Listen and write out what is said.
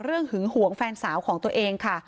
หึงหวงแฟนสาวของตัวเองค่ะ